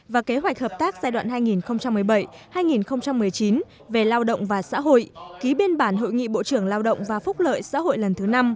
và kế hoạch hợp tác giai đoạn hai nghìn một mươi bảy hai nghìn một mươi chín về lao động và xã hội ký biên bản hội nghị bộ trưởng lao động và phúc lợi xã hội lần thứ năm